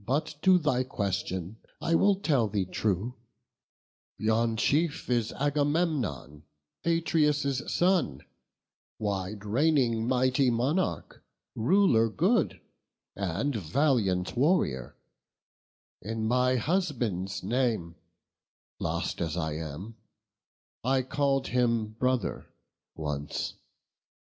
But to thy question; I will tell thee true; Yon chief is Agamemnon, Atreus' son, Wide reigning, mighty monarch, ruler good, And valiant warrior; in my husband's name, Lost as I am, I call'd him brother once."